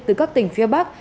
từ các tỉnh phía bắc